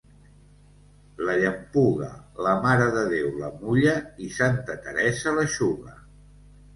La llampuga, la Mare de Déu la mulla i santa Teresa l'eixuga.